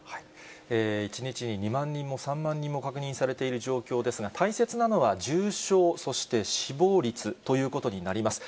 １日に２万人も３万人も確認されている状況ですが、大切なのは重症、そして死亡率ということになります。